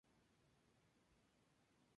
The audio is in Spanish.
Por esta razón la vaina es cónica.